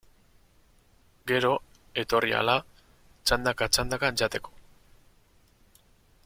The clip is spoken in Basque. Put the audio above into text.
Gero, etorri ahala, txandaka-txandaka jateko.